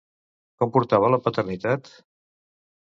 Com portava la paternitat?